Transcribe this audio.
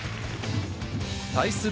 対する